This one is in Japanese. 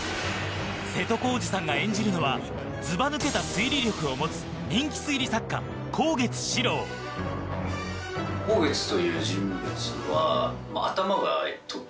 瀬戸康史さんが演じるのはずばぬけた推理力を持つ人気推理作家・香月史郎だと思います。